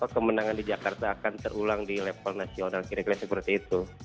kemenangan di jakarta akan terulang di level nasional kira kira seperti itu